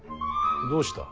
どうした。